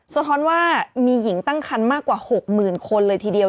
สะท้อนว่ามีหญิงตั้งคันมากกว่า๖๐๐๐คนเลยทีเดียว